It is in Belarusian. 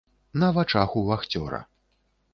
На вачах у вахцёра.